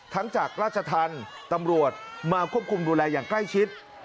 จากราชธรรมตำรวจมาควบคุมดูแลอย่างใกล้ชิด